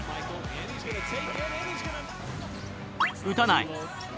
打たない。